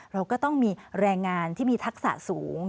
เราก็ต้องมีแรงงานที่มีทักษะสูง